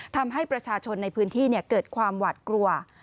ทำให้ประชาชนในพื้นที่เกิดความหวัดกลัว